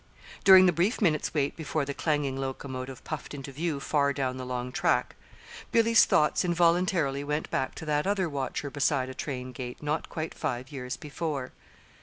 During the brief minutes' wait before the clanging locomotive puffed into view far down the long track, Billy's thoughts involuntarily went back to that other watcher beside a train gate not quite five years before.